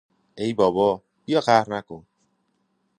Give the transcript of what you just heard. ای بابا - بیا قهر نکن!